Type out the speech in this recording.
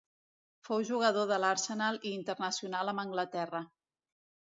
Fou jugador de l'Arsenal i internacional amb Anglaterra.